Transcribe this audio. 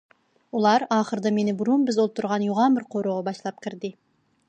ئۇلار ئاخىرىدا مېنى بۇرۇن بىز ئولتۇرغان يوغان بىر قورۇغا باشلاپ كىردى.